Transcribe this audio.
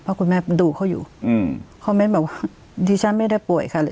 เพราะคุณแม่ดูเขาอยู่คอมเมนต์บอกว่าดิฉันไม่ได้ป่วยค่ะ